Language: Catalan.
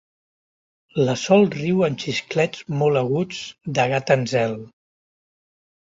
La Sol riu amb xisclets molt aguts, de gata en zel.